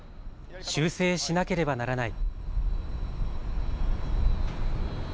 修正しなければならない。